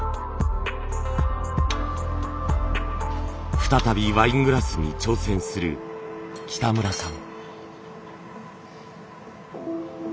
再びワイングラスに挑戦する北村さん。